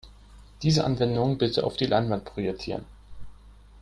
Diese Anwendung bitte auf die Leinwand projizieren.